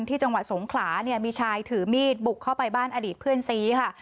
จังหวัดสงขลาเนี่ยมีชายถือมีดบุกเข้าไปบ้านอดีตเพื่อนซีค่ะ